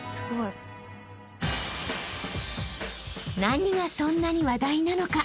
［何がそんなに話題なのか？］